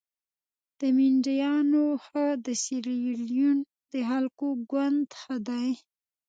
د مینډیانو ښه د سیریلیون د خلکو ګوند ښه دي.